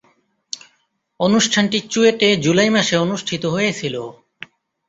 অনুষ্ঠানটি চুয়েটে জুলাই মাসে অনুষ্ঠিত হয়েছিলো।